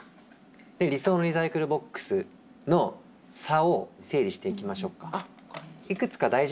理想のリサイクルボックスの差を整理していきましょうか。